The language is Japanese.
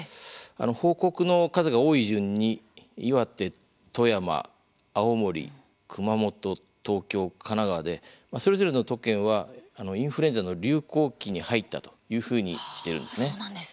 報告の数が多い順に岩手、富山、青森、熊本、東京神奈川で、それぞれの都県はインフルエンザの流行期に入ったというふうにしてるんですね。